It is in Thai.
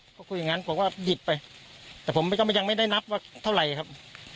เขาคุยอย่างนั้นผมก็หยิบไปแต่ผมก็ยังไม่ได้นับว่าเท่าไหร่ครับ